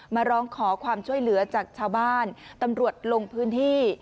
มาร้องขอความช่วยเหลือจากชาวบ้านตำรวจลงพื้นที่